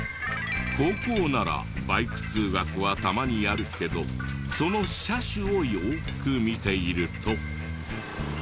高校ならバイク通学はたまにやるけどその車種をよく見ていると。